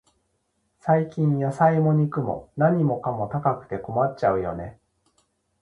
最近、野菜も肉も、何かも高くて困っちゃうよね。